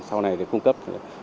sau này để cung cấp